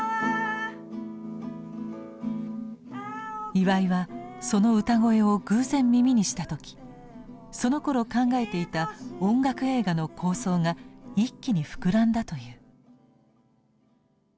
岩井はその歌声を偶然耳にした時そのころ考えていた音楽映画の構想が一気に膨らんだという。